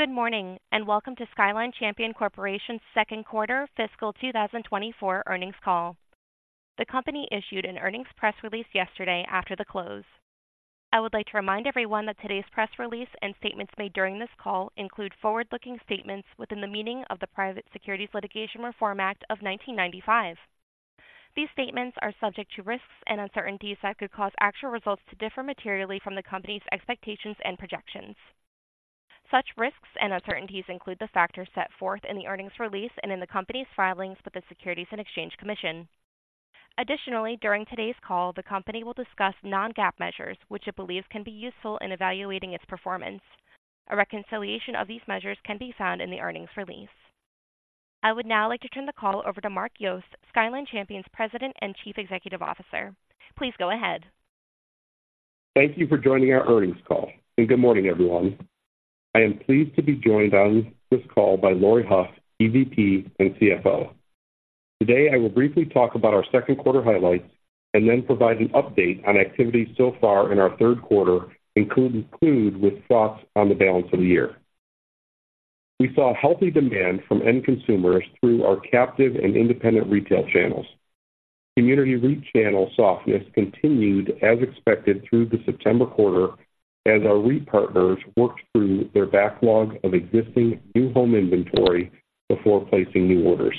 Good morning, and welcome to Skyline Champion Corporation's second quarter fiscal 2024 earnings call. The company issued an earnings press release yesterday after the close. I would like to remind everyone that today's press release and statements made during this call include forward-looking statements within the meaning of the Private Securities Litigation Reform Act of 1995. These statements are subject to risks and uncertainties that could cause actual results to differ materially from the company's expectations and projections. Such risks and uncertainties include the factors set forth in the earnings release and in the company's filings with the Securities and Exchange Commission. Additionally, during today's call, the company will discuss non-GAAP measures, which it believes can be useful in evaluating its performance. A reconciliation of these measures can be found in the earnings release. I would now like to turn the call over to Mark Yost, Skyline Champion's President and Chief Executive Officer. Please go ahead. Thank you for joining our earnings call, and good morning, everyone. I am pleased to be joined on this call by Laurie Hough, EVP and CFO. Today, I will briefly talk about our second quarter highlights and then provide an update on activities so far in our third quarter, including thoughts on the balance of the year. We saw healthy demand from end consumers through our captive and independent retail channels. Community REIT channel softness continued as expected through the September quarter, as our REIT partners worked through their backlog of existing new home inventory before placing new orders.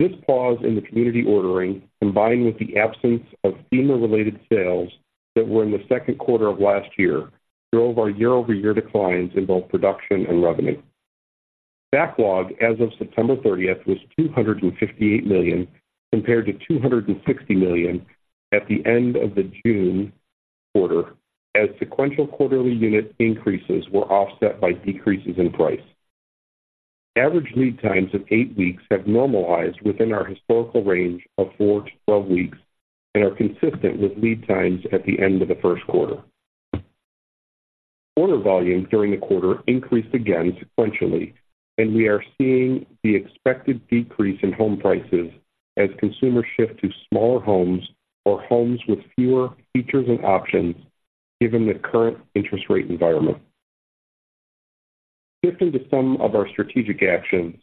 This pause in the community ordering, combined with the absence of FEMA-related sales that were in the second quarter of last year, drove our year-over-year declines in both production and revenue. Backlog as of September 30th was $258 million, compared to $260 million at the end of the June quarter, as sequential quarterly unit increases were offset by decreases in price. Average lead times of eight weeks have normalized within our historical range of four to 12 weeks and are consistent with lead times at the end of the first quarter. Order volume during the quarter increased again sequentially, and we are seeing the expected decrease in home prices as consumers shift to smaller homes or homes with fewer features and options given the current interest rate environment. Shifting to some of our strategic actions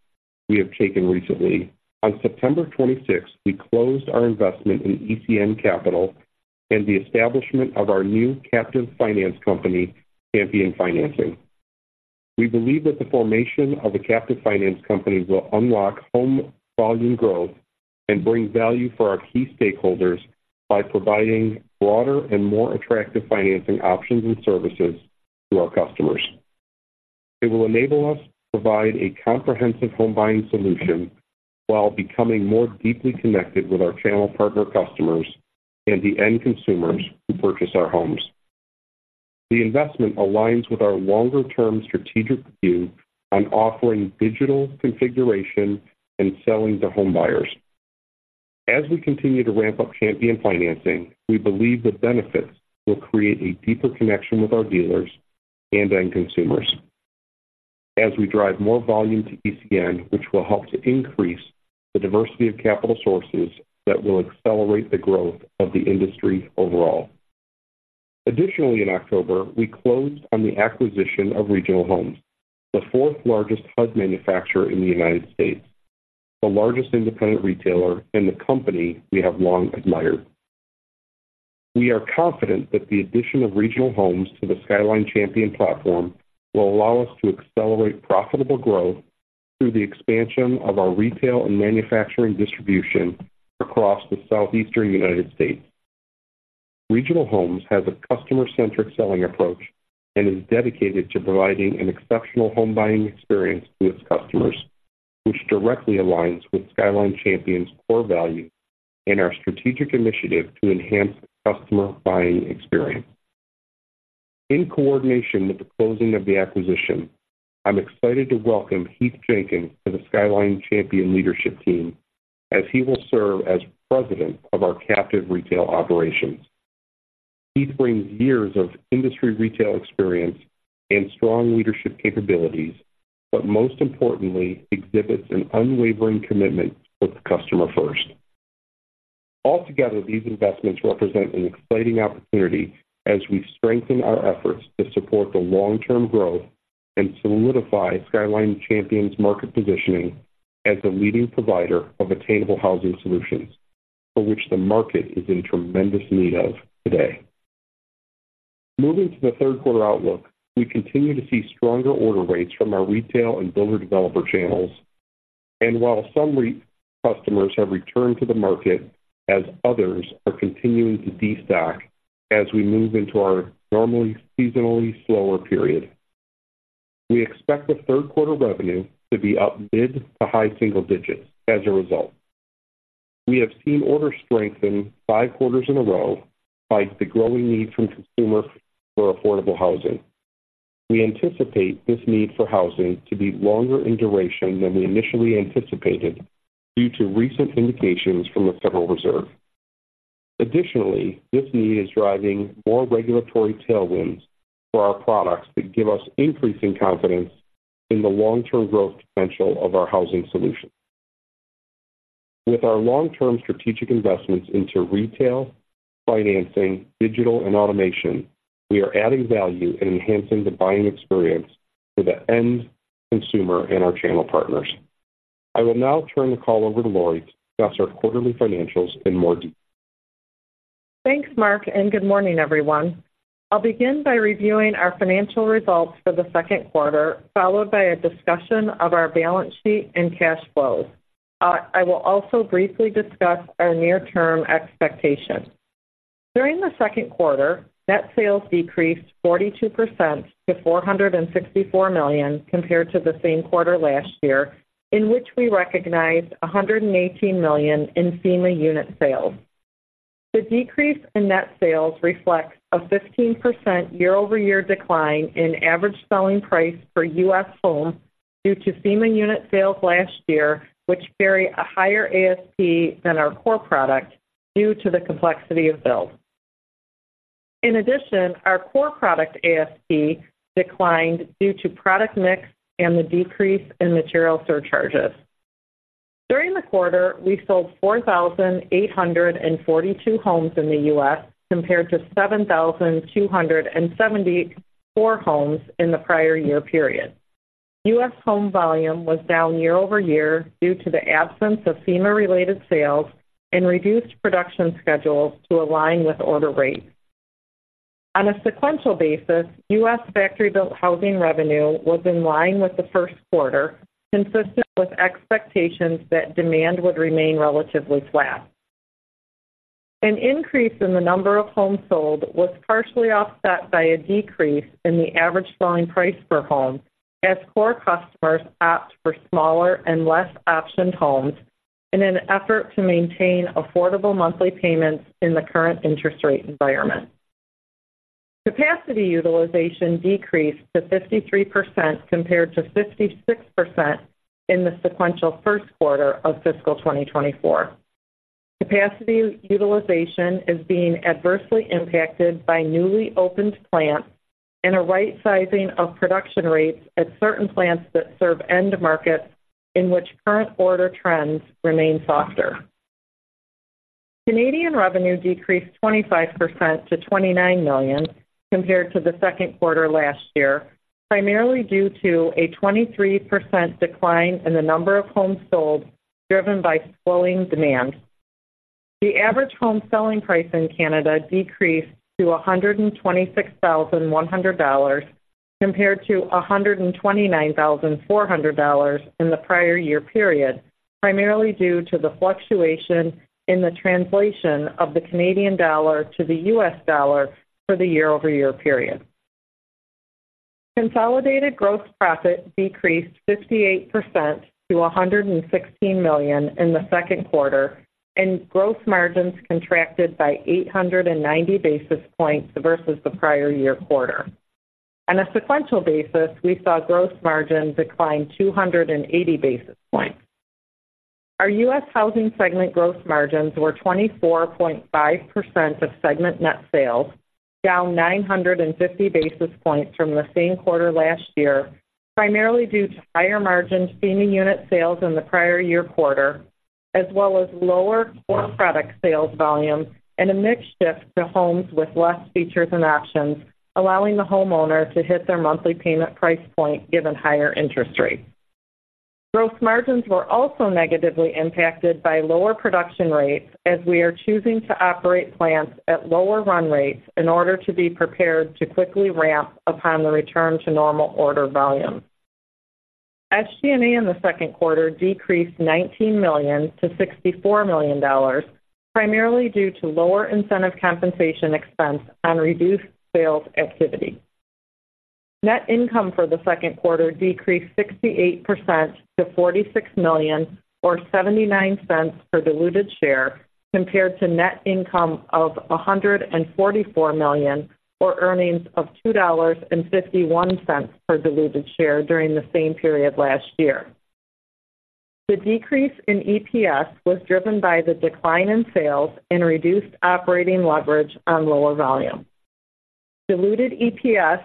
we have taken recently. On September 26th, we closed our investment in ECN Capital and the establishment of our new captive finance company, Champion Financing. We believe that the formation of a captive finance company will unlock home volume growth and bring value for our key stakeholders by providing broader and more attractive financing options and services to our customers. It will enable us to provide a comprehensive home buying solution while becoming more deeply connected with our channel partner customers and the end consumers who purchase our homes. The investment aligns with our longer-term strategic view on offering digital configuration and selling to home buyers. As we continue to ramp up Champion Financing, we believe the benefits will create a deeper connection with our dealers and end consumers as we drive more volume to ECN, which will help to increase the diversity of capital sources that will accelerate the growth of the industry overall. Additionally, in October, we closed on the acquisition of Regional Homes, the fourth-largest HUD manufacturer in the United States, the largest independent retailer and the company we have long admired. We are confident that the addition of Regional Homes to the Skyline Champion platform will allow us to accelerate profitable growth through the expansion of our retail and manufacturing distribution across the southeastern United States. Regional Homes has a customer-centric selling approach and is dedicated to providing an exceptional home buying experience to its customers, which directly aligns with Skyline Champion's core values and our strategic initiative to enhance the customer buying experience. In coordination with the closing of the acquisition, I'm excited to welcome Heath Jenkins to the Skyline Champion leadership team, as he will serve as president of our captive retail operations. Heath brings years of industry retail experience and strong leadership capabilities, but most importantly, exhibits an unwavering commitment to put the customer first. Altogether, these investments represent an exciting opportunity as we strengthen our efforts to support the long-term growth and solidify Skyline Champion's market positioning as a leading provider of attainable housing solutions, for which the market is in tremendous need of today. Moving to the third quarter outlook, we continue to see stronger order rates from our retail and builder developer channels, and while some REIT customers have returned to the market, as others are continuing to destock as we move into our normally seasonally slower period. We expect the third quarter revenue to be up mid to high-single digits as a result. We have seen orders strengthen five quarters in a row by the growing need from consumer for affordable housing. We anticipate this need for housing to be longer in duration than we initially anticipated, due to recent indications from the Federal Reserve. Additionally, this need is driving more regulatory tailwinds for our products that give us increasing confidence in the long-term growth potential of our housing solutions. With our long-term strategic investments into retail, financing, digital, and automation, we are adding value and enhancing the buying experience for the end consumer and our channel partners. I will now turn the call over to Laurie to discuss our quarterly financials in more detail. Thanks, Mark, and good morning, everyone. I'll begin by reviewing our financial results for the second quarter, followed by a discussion of our balance sheet and cash flows. I will also briefly discuss our near-term expectations. During the second quarter, net sales decreased 42% to $464 million, compared to the same quarter last year, in which we recognized $118 million in FEMA unit sales. The decrease in net sales reflects a 15% year-over-year decline in average selling price for U.S. homes due to FEMA unit sales last year, which carry a higher ASP than our core product due to the complexity of builds. In addition, our core product ASP declined due to product mix and the decrease in material surcharges. During the quarter, we sold 4,842 homes in the U.S., compared to 7,274 homes in the prior year period. U.S. home volume was down year-over-year due to the absence of FEMA-related sales and reduced production schedules to align with order rates. On a sequential basis, U.S. factory-built housing revenue was in line with the first quarter, consistent with expectations that demand would remain relatively flat. An increase in the number of homes sold was partially offset by a decrease in the average selling price per home, as core customers opt for smaller and less optioned homes in an effort to maintain affordable monthly payments in the current interest rate environment. Capacity utilization decreased to 53%, compared to 56% in the sequential first quarter of fiscal 2024. Capacity utilization is being adversely impacted by newly opened plants and a right-sizing of production rates at certain plants that serve end markets in which current order trends remain softer. Canadian revenue decreased 25% to $29 million compared to the second quarter last year, primarily due to a 23% decline in the number of homes sold, driven by slowing demand. The average home selling price in Canada decreased to $126,100, compared to $129,400 in the prior year period, primarily due to the fluctuation in the translation of the Canadian dollar to the U.S. dollar for the year-over-year period. Consolidated gross profit decreased 58% to $116 million in the second quarter, and gross margins contracted by 890 basis points versus the prior year quarter. On a sequential basis, we saw gross margin decline 280 basis points. Our U.S. housing segment gross margins were 24.5% of segment net sales, down 950 basis points from the same quarter last year, primarily due to higher-margin FEMA unit sales in the prior year quarter, as well as lower core product sales volume and a mix shift to homes with less features and options, allowing the homeowner to hit their monthly payment price point, given higher interest rates. Gross margins were also negatively impacted by lower production rates, as we are choosing to operate plants at lower run rates in order to be prepared to quickly ramp upon the return to normal order volumes. SG&A in the second quarter decreased $19 million to $64 million, primarily due to lower incentive compensation expense on reduced sales activity. Net income for the second quarter decreased 68% to $46 million, or $0.79 per diluted share, compared to net income of $144 million, or earnings of $2.51 per diluted share during the same period last year. The decrease in EPS was driven by the decline in sales and reduced operating leverage on lower volume. Diluted EPS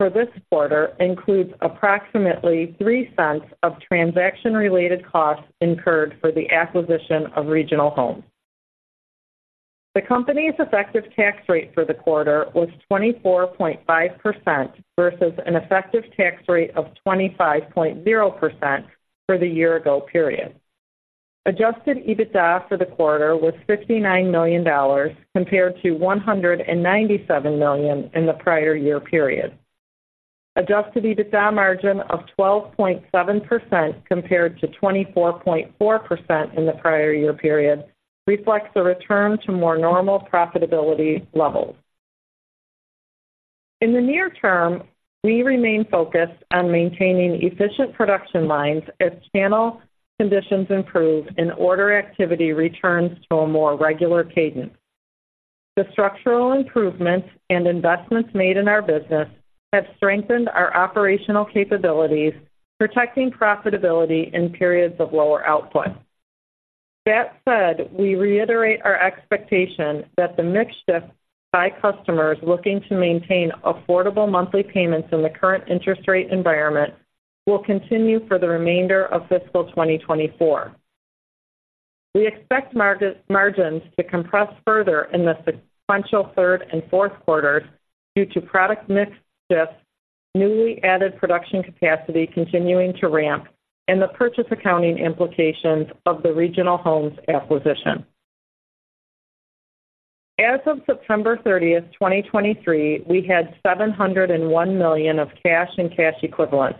for this quarter includes approximately $0.03 of transaction-related costs incurred for the acquisition of Regional Homes. The company's effective tax rate for the quarter was 24.5% versus an effective tax rate of 25.0% for the year-ago period. Adjusted EBITDA for the quarter was $59 million, compared to $197 million in the prior year period. Adjusted EBITDA margin of 12.7%, compared to 24.4% in the prior year period, reflects a return to more normal profitability levels. In the near-term, we remain focused on maintaining efficient production lines as channel conditions improve and order activity returns to a more regular cadence. The structural improvements and investments made in our business have strengthened our operational capabilities, protecting profitability in periods of lower output. That said, we reiterate our expectation that the mix shift by customers looking to maintain affordable monthly payments in the current interest rate environment will continue for the remainder of fiscal 2024. We expect margins to compress further in the sequential third and fourth quarters due to product mix shifts, newly added production capacity continuing to ramp, and the purchase accounting implications of the Regional Homes acquisition. As of September 30th, 2023, we had $701 million of cash and cash equivalents,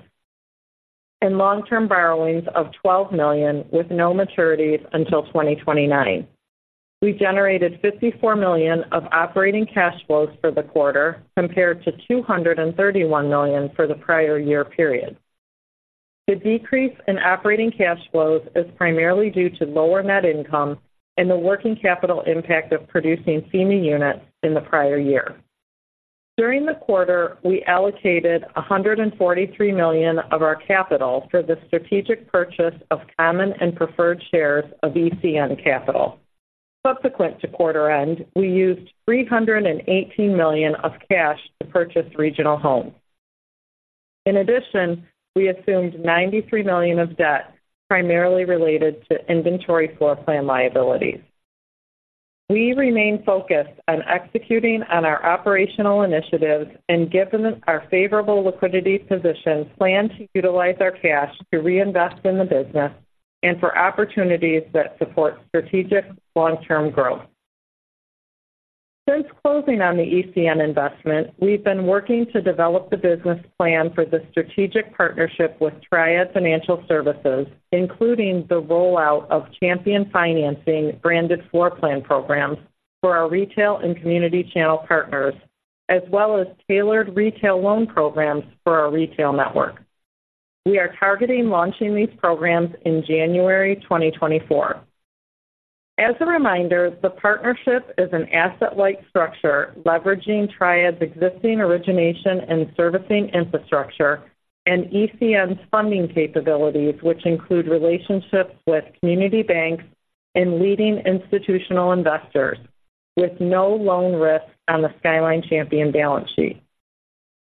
and long-term borrowings of $12 million, with no maturities until 2029. We generated $54 million of operating cash flows for the quarter, compared to $231 million for the prior year period. The decrease in operating cash flows is primarily due to lower net income and the working capital impact of producing FEMA units in the prior year. During the quarter, we allocated $143 million of our capital for the strategic purchase of common and preferred shares of ECN Capital. Subsequent to quarter end, we used $318 million of cash to purchase Regional Homes. In addition, we assumed $93 million of debt, primarily related to inventory floor plan liabilities. We remain focused on executing on our operational initiatives and, given our favorable liquidity position, plan to utilize our cash to reinvest in the business and for opportunities that support strategic long-term growth. Since closing on the ECN investment, we've been working to develop the business plan for the strategic partnership with Triad Financial Services, including the rollout of Champion Financing branded floor plan programs for our retail and community channel partners, as well as tailored retail loan programs for our retail network. We are targeting launching these programs in January 2024. As a reminder, the partnership is an asset-light structure, leveraging Triad's existing origination and servicing infrastructure and ECN's funding capabilities, which include relationships with community banks and leading institutional investors, with no loan risk on the Skyline Champion balance sheet.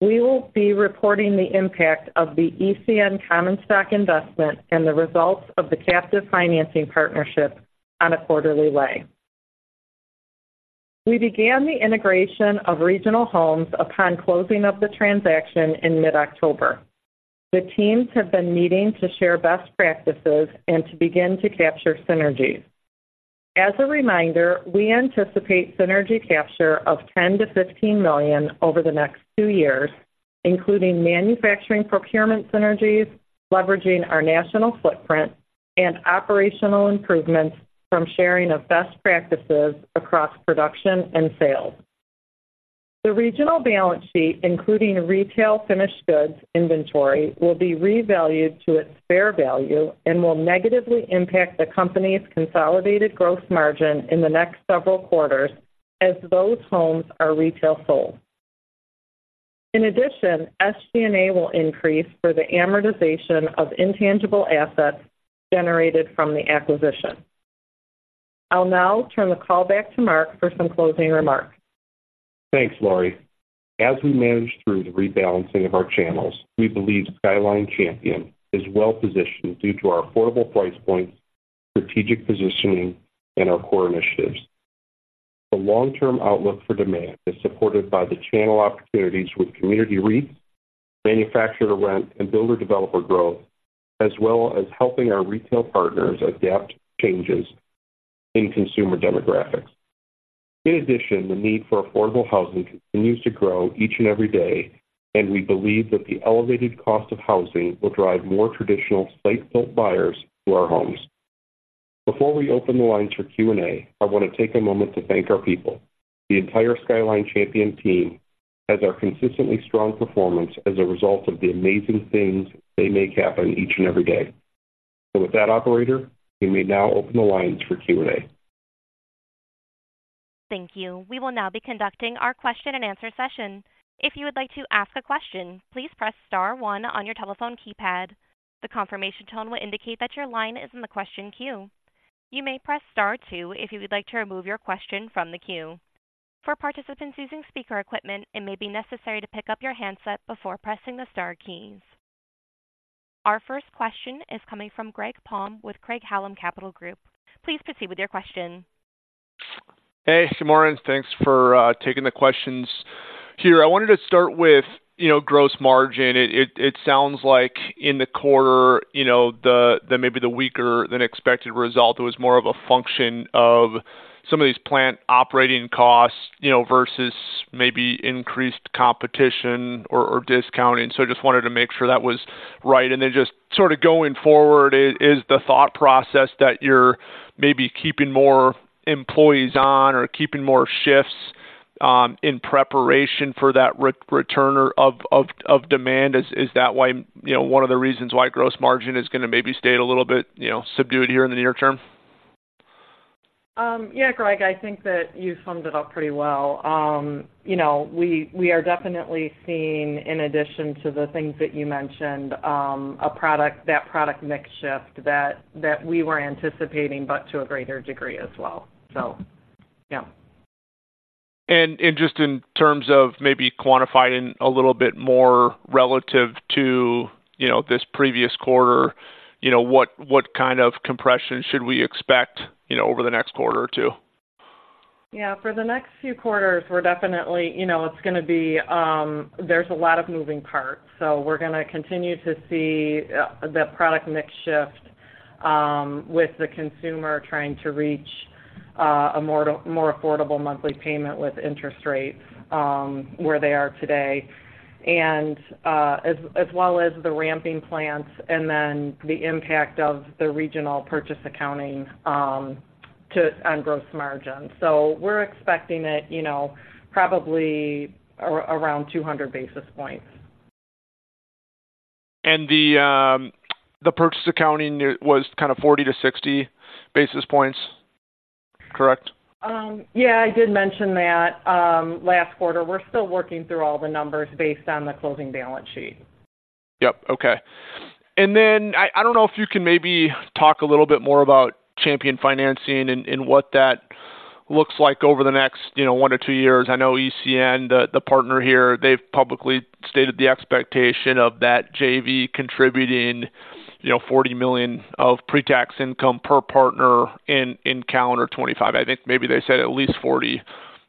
We will be reporting the impact of the ECN common stock investment and the results of the captive financing partnership on a quarterly basis. We began the integration of Regional Homes upon closing of the transaction in mid-October. The teams have been meeting to share best practices and to begin to capture synergies. As a reminder, we anticipate synergy capture of $10 million-$15 million over the next two years, including manufacturing procurement synergies, leveraging our national footprint, and operational improvements from sharing of best practices across production and sales. The Regional balance sheet, including retail finished goods inventory, will be revalued to its fair value and will negatively impact the company's consolidated gross margin in the next several quarters as those homes are retail sold. In addition, SG&A will increase for the amortization of intangible assets generated from the acquisition. I'll now turn the call back to Mark for some closing remarks. Thanks, Laurie. As we manage through the rebalancing of our channels, we believe Skyline Champion is well positioned due to our affordable price points, strategic positioning, and our core initiatives. The long-term outlook for demand is supported by the channel opportunities with community REIT, manufacturer rental, and builder-developer growth, as well as helping our retail partners adapt to changes in consumer demographics. In addition, the need for affordable housing continues to grow each and every day, and we believe that the elevated cost of housing will drive more traditional site-built buyers to our homes. Before we open the lines for Q&A, I want to take a moment to thank our people. The entire Skyline Champion team has our consistently strong performance as a result of the amazing things they make happen each and every day. So with that, operator, you may now open the lines for Q&A. Thank you. We will now be conducting our question-and-answer session. If you would like to ask a question, please press star one on your telephone keypad. The confirmation tone will indicate that your line is in the question queue. You may press star two if you would like to remove your question from the queue. For participants using speaker equipment, it may be necessary to pick up your handset before pressing the star keys. Our first question is coming from Greg Palm with Craig-Hallum Capital Group. Please proceed with your question. Hey, good morning. Thanks for taking the questions here. I wanted to start with, you know, gross margin. It sounds like in the quarter, you know, the maybe the weaker-than-expected result was more of a function of some of these plant operating costs, you know, versus maybe increased competition or discounting. So I just wanted to make sure that was right. And then just sort of going forward, is the thought process that you're maybe keeping more employees on or keeping more shifts in preparation for that return of demand? Is that why, you know, one of the reasons why gross margin is gonna maybe stay a little bit, you know, subdued here in the near-term? Yeah, Greg, I think that you summed it up pretty well. You know, we are definitely seeing, in addition to the things that you mentioned, a product, that product mix shift that we were anticipating, but to a greater degree as well. So, yeah. And just in terms of maybe quantifying a little bit more relative to, you know, this previous quarter, you know, what kind of compression should we expect, you know, over the next quarter or two? Yeah, for the next few quarters, we're definitely, you know, it's gonna be, there's a lot of moving parts. So we're gonna continue to see the product mix shift with the consumer trying to reach a more affordable monthly payment with interest rates where they are today, and as well as the ramping plans and then the impact of the Regional purchase accounting on gross margin. So we're expecting it, you know, probably around 200 basis points. The purchase accounting was kind of 40-60 basis points, correct? Yeah, I did mention that, last quarter. We're still working through all the numbers based on the closing balance sheet. Yep. Okay. And then I don't know if you can maybe talk a little bit more about Champion Financing and what that looks like over the next, you know, one to two years. I know ECN, the partner here, they've publicly stated the expectation of that JV contributing, you know, $40 million of pretax income per partner in calendar 2025. I think maybe they said at least $40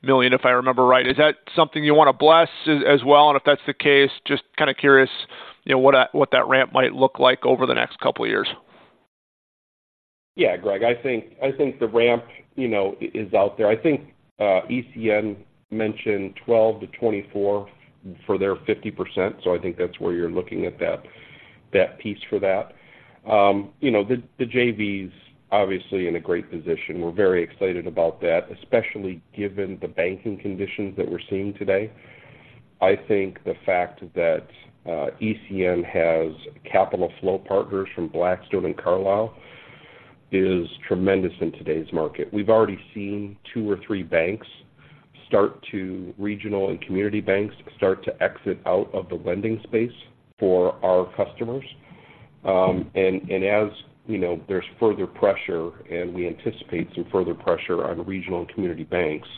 million, if I remember right. Is that something you want to bless as well? And if that's the case, just kind of curious, you know, what that ramp might look like over the next couple of years. Yeah, Greg, I think, I think the ramp, you know, is out there. I think, ECN mentioned 12 to 24 for their 50%, so I think that's where you're looking at that, that piece for that. You know, the JV's obviously in a great position. We're very excited about that, especially given the banking conditions that we're seeing today. I think the fact that, ECN has capital flow partners from Blackstone and Carlyle is tremendous in today's market. We've already seen two or three banks start to...regional and community banks start to exit out of the lending space for our customers. And as you know, there's further pressure, and we anticipate some further pressure on regional and community banks,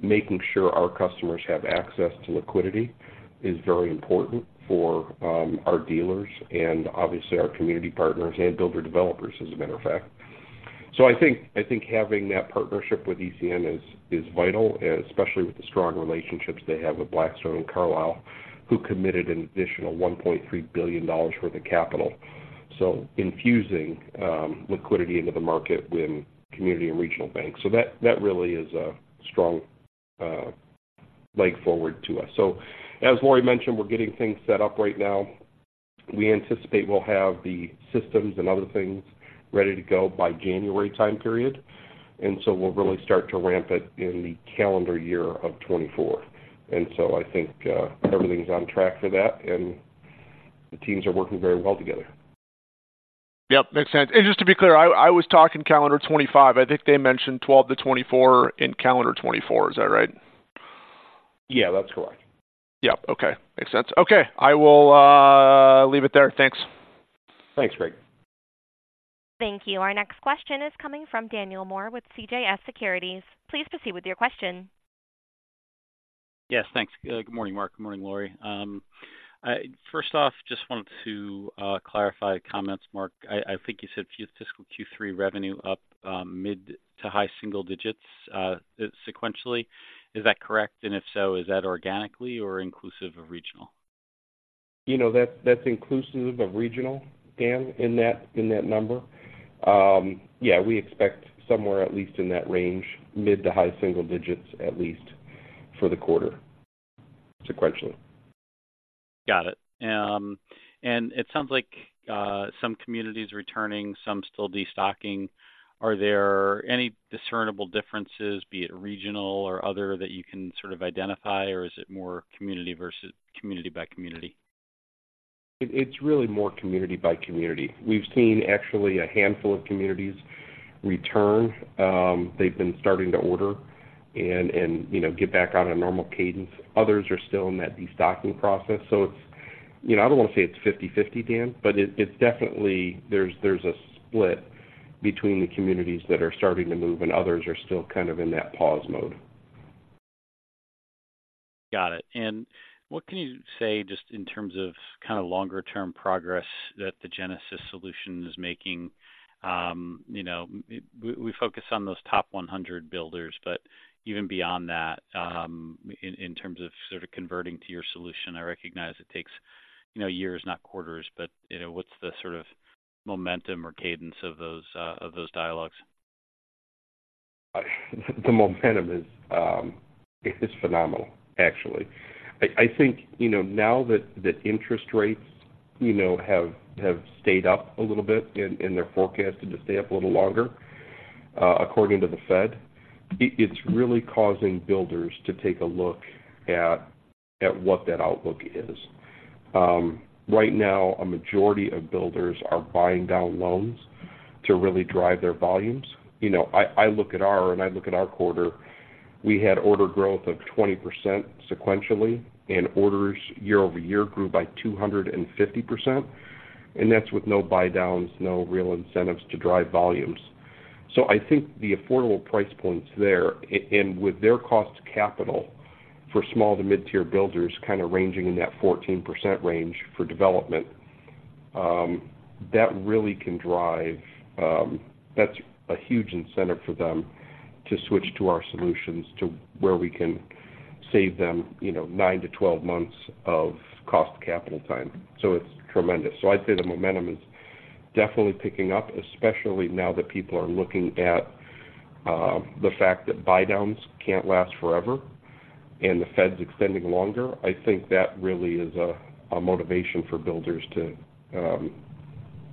making sure our customers have access to liquidity is very important for our dealers and obviously our community partners and builder-developers, as a matter of fact. So I think having that partnership with ECN is vital, especially with the strong relationships they have with Blackstone and Carlyle, who committed an additional $1.3 billion worth of capital, so infusing liquidity into the market when community and regional banks. So that really is a strong leg forward to us. So as Laurie mentioned, we're getting things set up right now. We anticipate we'll have the systems and other things ready to go by January time period, and so we'll really start to ramp it in the calendar year of 2024. And so I think, everything's on track for that, and the teams are working very well together. Yep, makes sense. And just to be clear, I was talking calendar 2025. I think they mentioned 12 to 24 in calendar 2024. Is that right? Yeah, that's correct. Yep. Okay. Makes sense. Okay. I will leave it there. Thanks. Thanks, Greg. Thank you. Our next question is coming from Daniel Moore with CJS Securities. Please proceed with your question. Yes, thanks. Good morning, Mark. Good morning, Laurie. First off, just wanted to clarify comments, Mark. I think you said fiscal Q3 revenue up mid to high-single digits sequentially. Is that correct? And if so, is that organically or inclusive of Regional? You know, that's inclusive of Regional, Dan, in that number. Yeah, we expect somewhere at least in that range, mid to high-single digits, at least for the quarter, sequentially. Got it. And it sounds like, some communities returning, some still destocking. Are there any discernible differences, be it regional or other, that you can sort of identify, or is it more community versus community by community? It's really more community by community. We've seen actually a handful of communities return. They've been starting to order and, you know, get back on a normal cadence. Others are still in that destocking process. So it's, you know, I don't want to say it's 50/50, Dan, but it's definitely there's a split between the communities that are starting to move and others are still kind of in that pause mode. Got it. And what can you say just in terms of kind of longer-term progress that the Genesis solution is making? You know, we, we focus on those top 100 builders, but even beyond that, in, in terms of sort of converting to your solution, I recognize it takes, you know, years, not quarters, but, you know, what's the sort of momentum or cadence of those, of those dialogues? The momentum is, is phenomenal, actually. I, I think, you know, now that, that interest rates, you know, have, have stayed up a little bit and, and they're forecasted to stay up a little longer, according to the Fed, it, it's really causing builders to take a look at, at what that outlook is. Right now, a majority of builders are buying down loans to really drive their volumes. You know, I, I look at our-- and I look at our quarter, we had order growth of 20% sequentially, and orders year-over-year grew by 250% and that's with no buy downs, no real incentives to drive volumes. So I think the affordable price points there, and with their cost capital for small to mid-tier builders, kind of ranging in that 14% range for development, that really can drive. That's a huge incentive for them to switch to our solutions to where we can save them, you know, nine to 12 months of cost capital time. So it's tremendous. So I'd say the momentum is definitely picking up, especially now that people are looking at the fact that buy downs can't last forever and the Fed's extending longer. I think that really is a motivation for builders to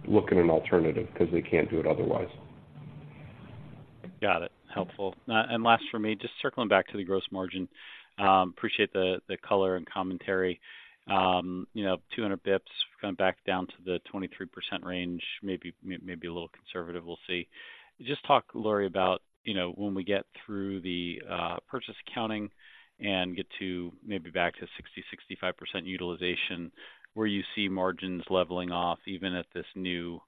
look at an alternative because they can't do it otherwise. Got it. Helpful. And last for me, just circling back to the gross margin, appreciate the color and commentary. You know, 200 bps, kind of back down to the 23% range, maybe a little conservative. We'll see. Just talk, Laurie, about, you know, when we get through the purchase accounting and get to maybe back to 60%, 65% utilization, where you see margins leveling off, even at this new,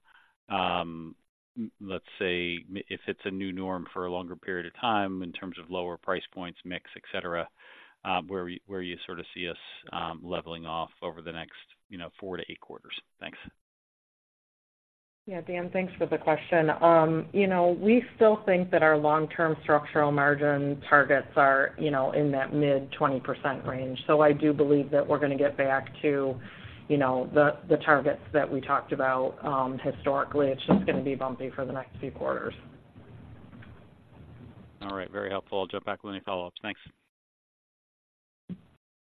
let's say, if it's a new norm for a longer period of time in terms of lower price points, mix, et cetera, where you sort of see us leveling off over the next, you know, four to eight quarters? Thanks. Yeah, Dan, thanks for the question. You know, we still think that our long-term structural margin targets are, you know, in that mid-20% range. So I do believe that we're going to get back to, you know, the targets that we talked about, historically. It's just going to be bumpy for the next few quarters. All right. Very helpful. I'll jump back with any follow-ups. Thanks.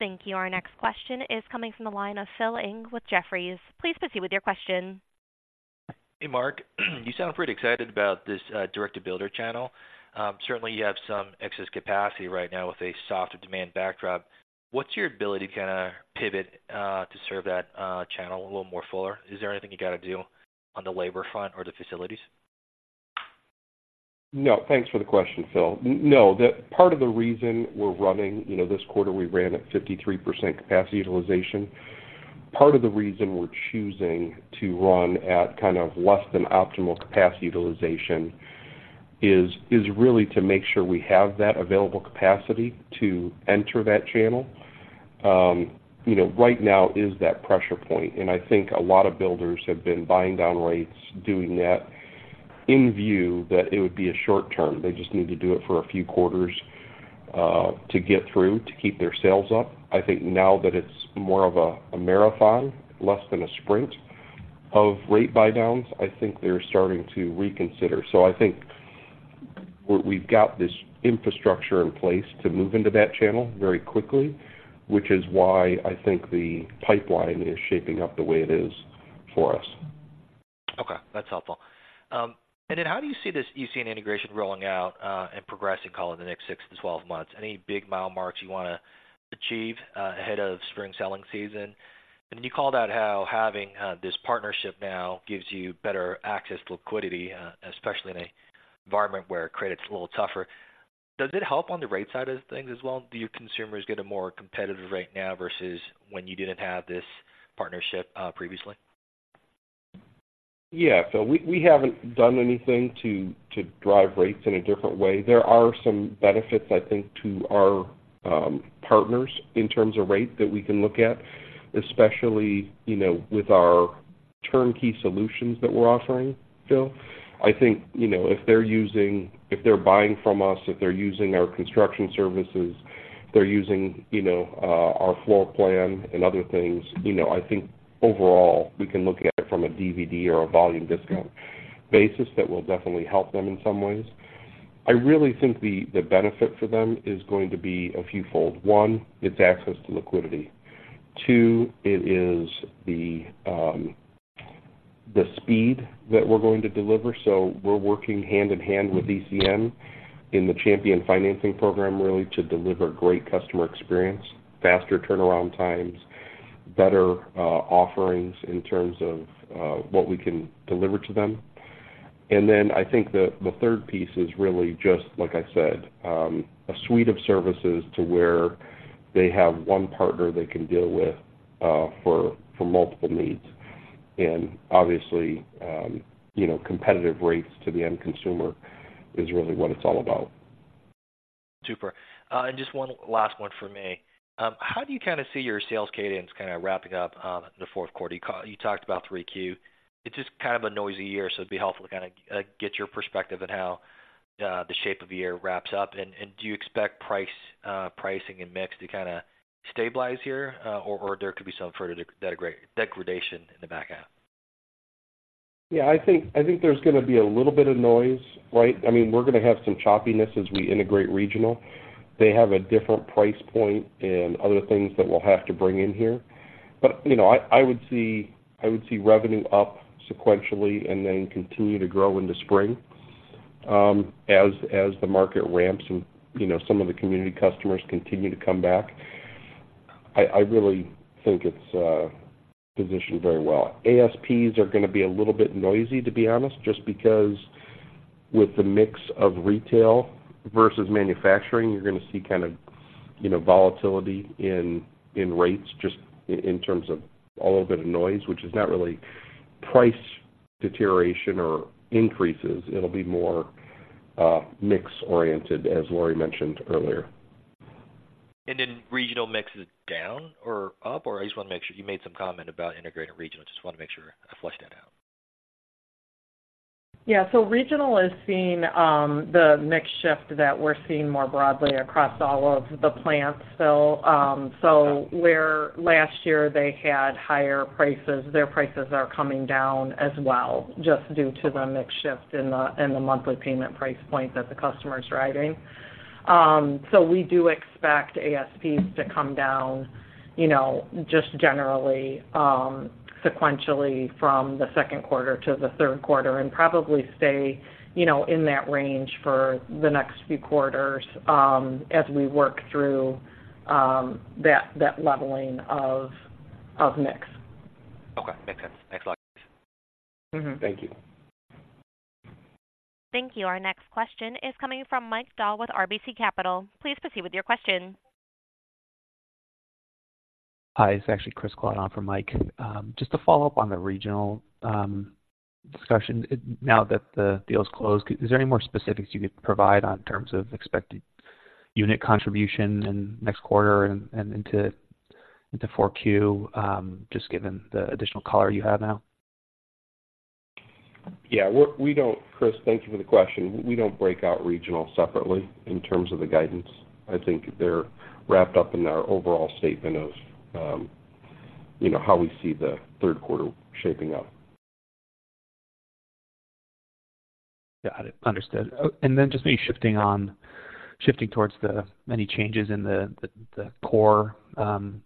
Thank you. Our next question is coming from the line of Phil Ng with Jefferies. Please proceed with your question. Hey, Mark, you sound pretty excited about this direct-to-builder channel. Certainly, you have some excess capacity right now with a softer demand backdrop. What's your ability to kind of pivot to serve that channel a little more fuller? Is there anything you got to do on the labor front or the facilities? No, thanks for the question, Phil. No, the part of the reason we're running... You know, this quarter, we ran at 53% capacity utilization. Part of the reason we're choosing to run at kind of less than optimal capacity utilization is really to make sure we have that available capacity to enter that channel. You know, right now is that pressure point, and I think a lot of builders have been buying down rates, doing that in view that it would be a short term. They just need to do it for a few quarters, to get through to keep their sales up. I think now that it's more of a marathon, less than a sprint of rate buy downs, I think they're starting to reconsider. So I think we've got this infrastructure in place to move into that channel very quickly, which is why I think the pipeline is shaping up the way it is for us. Okay, that's helpful. And then how do you see this ECN integration rolling out and progressing, call it, in the next six to 12 months? Any big milestones you want to achieve ahead of spring selling season? And you called out how having this partnership now gives you better access to liquidity, especially in an environment where credit's a little tougher. Does it help on the rate side of things as well? Do your consumers get a more competitive rate now versus when you didn't have this partnership previously? Yeah. So we haven't done anything to drive rates in a different way. There are some benefits, I think, to our partners in terms of rate that we can look at, especially, you know, with our turnkey solutions that we're offering, Phil. I think, you know, if they're using- if they're buying from us, if they're using our construction services, they're using, you know, our floor plan and other things, you know, I think overall, we can look at it from a TVD or a volume discount basis that will definitely help them in some ways. I really think the benefit for them is going to be a fewfold. One, it's access to liquidity. Two, it is the, the speed that we're going to deliver, so we're working hand in hand with ECN in the Champion Financing program, really, to deliver great customer experience, faster turnaround times, better, offerings in terms of, what we can deliver to them. And then I think the, the third piece is really just, like I said, a suite of services to where they have one partner they can deal with, for, for multiple needs. And obviously, you know, competitive rates to the end consumer is really what it's all about. Super. And just one last one for me. How do you kind of see your sales cadence kind of wrapping up in the fourth quarter? You talked about 3Q. It's just kind of a noisy year, so it'd be helpful to kind of get your perspective on how the shape of the year wraps up. And do you expect price pricing and mix to kind of stabilize here or there could be some further degradation in the back end? Yeah, I think, I think there's going to be a little bit of noise, right? I mean, we're going to have some choppiness as we integrate Regional. They have a different price point and other things that we'll have to bring in here. But, you know, I, I would see, I would see revenue up sequentially and then continue to grow into spring, as, as the market ramps and, you know, some of the community customers continue to come back. I, I really think it's positioned very well. ASPs are going to be a little bit noisy, to be honest, just because. With the mix of retail versus manufacturing, you're gonna see kind of, you know, volatility in, in rates just in, in terms of a little bit of noise, which is not really price deterioration or increases. It'll be more mix oriented, as Laurie mentioned earlier. Then Regional mix is down or up, or I just wanna make sure you made some comment about integrated Regional. Just wanna make sure I flesh that out. Yeah. So Regional is seeing the mix shift that we're seeing more broadly across all of the plants. So where last year they had higher prices, their prices are coming down as well, just due to the mix shift in the monthly payment price point that the customer is driving. So we do expect ASPs to come down, you know, just generally, sequentially from the second quarter to the third quarter and probably stay, you know, in that range for the next few quarters, as we work through that leveling of mix. Okay. Makes sense. Thanks a lot. Mm-hmm. Thank you. Thank you. Our next question is coming from Mike Dahl with RBC Capital. Please proceed with your question. Hi, it's actually Chris Kalata on for Mike. Just to follow up on the Regional discussion, now that the deal is closed, is there any more specifics you could provide on terms of expected unit contribution in next quarter and into 4Q, just given the additional color you have now? Yeah, we don't Chris, thank you for the question. We don't break out regional separately in terms of the guidance. I think they're wrapped up in our overall statement of, you know, how we see the third quarter shaping up. Got it. Understood. And then just maybe shifting on, shifting towards the many changes in the core, in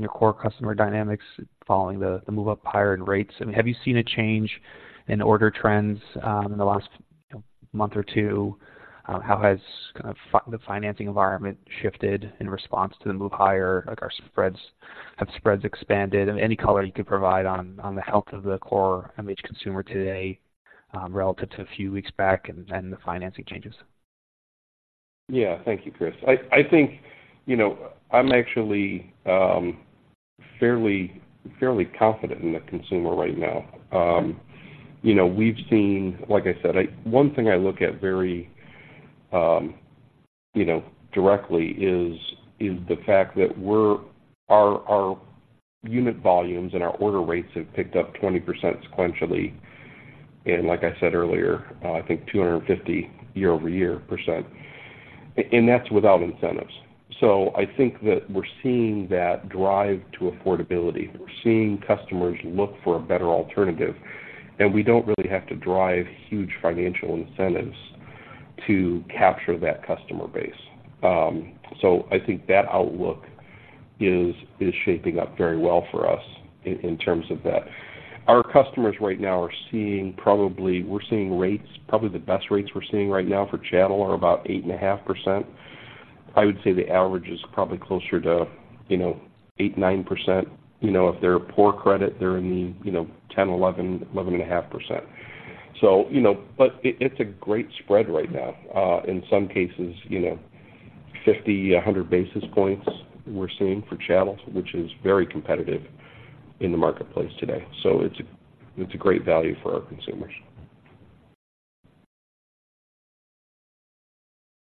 your core customer dynamics, following the move up higher in rates. I mean, have you seen a change in order trends in the last month or two? How has kind of the financing environment shifted in response to the move higher? Like, are spreads, have spreads expanded? And any color you could provide on the health of the core MH consumer today, relative to a few weeks back and the financing changes. Yeah. Thank you, Chris. I think, you know, I'm actually fairly confident in the consumer right now. You know, we've seen, like I said, one thing I look at very directly is the fact that we're—our unit volumes and our order rates have picked up 20% sequentially. And like I said earlier, I think 250% year-over-year, and that's without incentives. So I think that we're seeing that drive to affordability. We're seeing customers look for a better alternative, and we don't really have to drive huge financial incentives to capture that customer base. So I think that outlook is shaping up very well for us in terms of that. Our customers right now are seeing probably we're seeing rates, probably the best rates we're seeing right now for channel are about 8.5%. I would say the average is probably closer to, you know, 8%, 9%. You know, if they're a poor credit, they're in the, you know, 10%, 11%, 11.5%. So, you know, but it, it's a great spread right now. In some cases, you know, 50, 100 basis points we're seeing for channels, which is very competitive in the marketplace today. So it's, it's a great value for our consumers.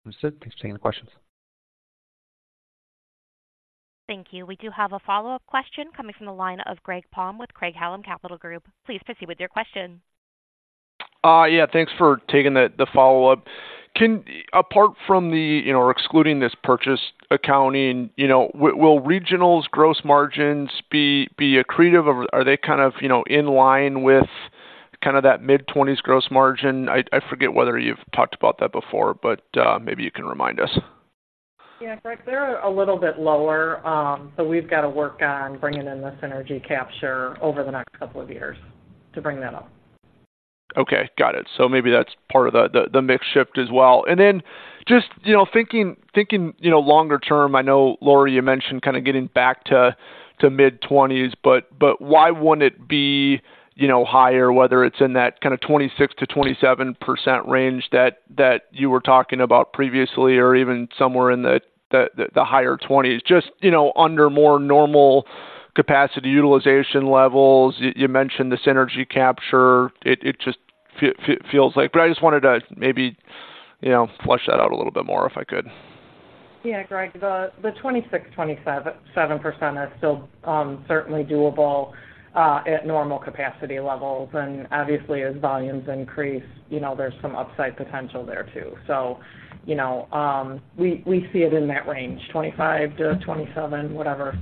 Understood. Thanks for taking the questions. Thank you. We do have a follow-up question coming from the line of Greg Palm with Craig-Hallum Capital Group. Please proceed with your question. Yeah, thanks for taking the follow-up. Apart from the, you know, or excluding this purchase accounting, you know, will Regional's gross margins be accretive, or are they kind of, you know, in line with kind of that mid-20% gross margin? I forget whether you've talked about that before, but maybe you can remind us. Yeah, Greg, they're a little bit lower, so we've got to work on bringing in the synergy capture over the next couple of years to bring that up. Okay, got it. So maybe that's part of the mix shift as well. And then just, you know, thinking, you know, longer term, I know, Laurie, you mentioned kind of getting back to mid-20s%, but why wouldn't it be, you know, higher, whether it's in that kind of 26%-27% range that you were talking about previously or even somewhere in the higher 20s%? Just, you know, under more normal capacity utilization levels, you mentioned the synergy capture. It just feels like, but I just wanted to maybe, you know, flesh that out a little bit more, if I could. Yeah, Greg, the 26%-27% is still certainly doable at normal capacity levels. And obviously, as volumes increase, you know, there's some upside potential there, too. So, you know, we see it in that range, 25%-27%, whatever. Yeah.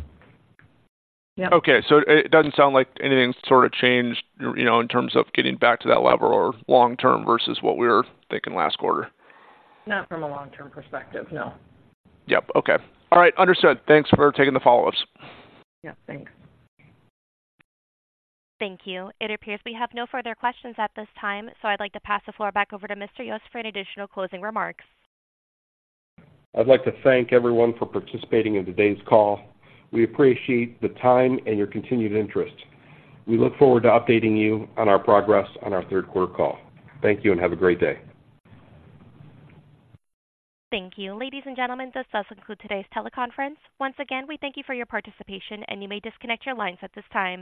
Okay. So it doesn't sound like anything's sort of changed, you know, in terms of getting back to that level or long term versus what we were thinking last quarter. Not from a long-term perspective, no. Yep. Okay. All right. Understood. Thanks for taking the follow-ups. Yeah, thanks. Thank you. It appears we have no further questions at this time, so I'd like to pass the floor back over to Mr. Yost for any additional closing remarks. I'd like to thank everyone for participating in today's call. We appreciate the time and your continued interest. We look forward to updating you on our progress on our third quarter call. Thank you and have a great day. Thank you. Ladies and gentlemen, this does conclude today's teleconference. Once again, we thank you for your participation, and you may disconnect your lines at this time.